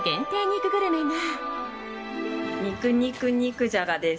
肉グルメが。